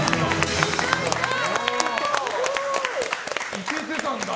いけてたんだ。